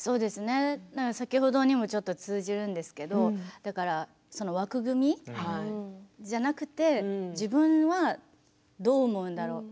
先ほどにもちょっと通じるんですけど枠組じゃなくて自分はどう思うんだろう